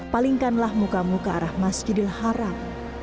palingkanlah mukamu ke arah masjidil haram